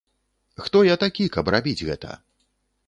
Хто я такі, каб рабіць гэта?